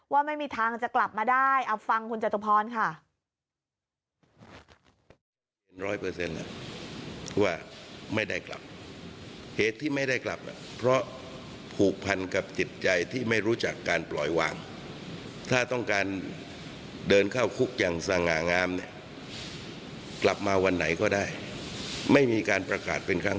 ว่าไม่มีทางจะกลับมาได้เอาฟังคุณจตุพรค่ะ